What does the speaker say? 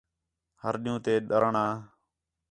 ہر ݙِین٘ہوں تے ݙرݨ آ